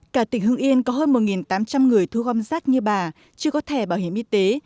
cả tỉnh hưng yên có hơn một tám trăm linh người thu gom rác như bà chưa có thẻ bảo hiểm y tế